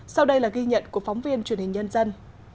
sau đây là ghi nhận của phóng viên truyền hình nhân dân